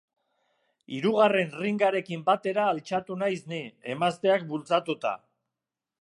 Hirugarren ringarekin batera altxatu naiz ni, emazteak bultzatuta.